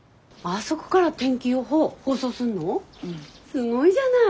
すごいじゃない。